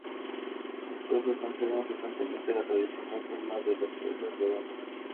Las casas conservan frecuentemente la tradicional forma de las chozas redondas.